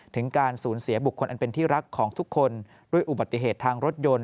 ถึงการสูญเสียบุคคลอันเป็นที่รักของทุกคนด้วยอุบัติเหตุทางรถยนต์